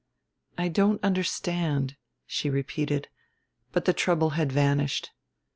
"I don't understand," she repeated, but the trouble had vanished.